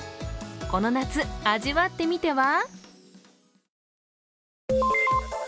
この夏、味わってみては？